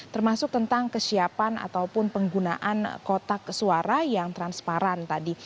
termasuk tentang kesiapan ataupun penggunaan kotak suara yang transparan tadi